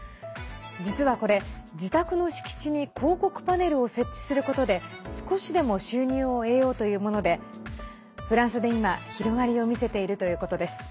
実はこれ、自宅の敷地に広告パネルを設置することで少しでも収入を得ようというものでフランスで今、広がりを見せているということです。